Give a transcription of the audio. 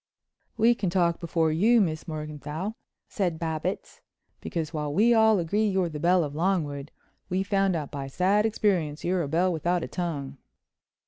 "We can talk before you, Miss Morganthau," said Babbitts, "because while we all agree you're the belle of Longwood, we've found out by sad experience you're a belle without a tongue."